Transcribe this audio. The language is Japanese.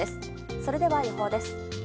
それでは、予報です。